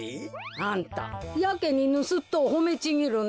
あんたやけにぬすっとをほめちぎるね。